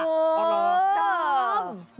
เออเออ